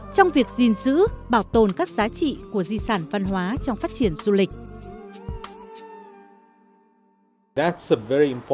trong việc gìn giữ bảo tồn các giá trị của di sản văn hóa trong phát triển du lịch